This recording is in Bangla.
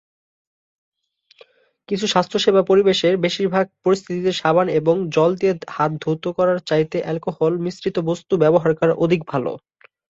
কিছু স্বাস্থ্যসেবা পরিবেশে বেশিরভাগ পরিস্থিতিতে সাবান এবং জল দিয়ে হাত ধৌত করার চাইতে অ্যালকোহল মিশ্রিত বস্তু ব্যবহার অধিক ভাল।